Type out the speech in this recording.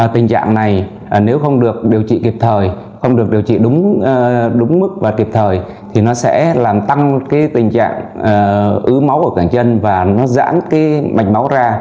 tình trạng này nếu không được điều trị kịp thời không được điều trị đúng mức và kịp thời thì nó sẽ làm tăng tình trạng ứ máu ở cảnh chân và nó giãn cái mạch máu ra